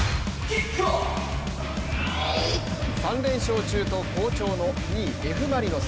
３連勝中と好調の２位Ｆ・マリノス。